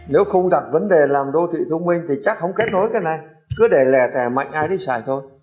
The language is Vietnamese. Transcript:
nếu không đặt vấn đề làm đô thị thông minh thì chắc không kết nối cái này cứ để lẻ tẻ mạnh ai đi xài thôi